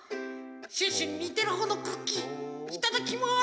シュッシュににてるほうのクッキーいただきます。